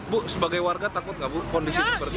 bu sebagai warga takut nggak bu kondisi seperti ini